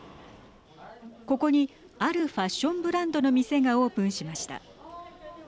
ここにあるファッションブランドの店がオープンしました。